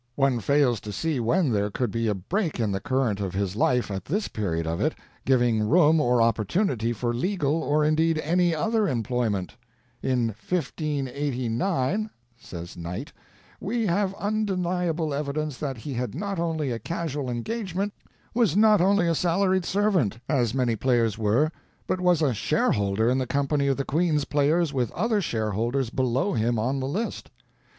One fails to see when there could be a break in the current of his life at this period of it, giving room or opportunity for legal or indeed any other employment. 'In 1589,' says Knight, 'we have undeniable evidence that he had not only a casual engagement, was not only a salaried servant, as many players were, but was a shareholder in the company of the Queen's players with other shareholders below him on the list.